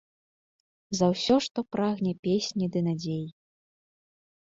За ўсё, што прагне песні ды надзей.